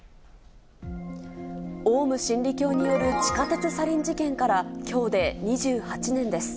オウム真理教による地下鉄サリン事件から、きょうで２８年です。